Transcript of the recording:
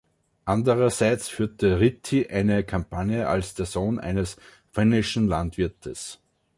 Andererseits führty Ryti eine Kampagne als der Sohn eines finnischen Landwirtes.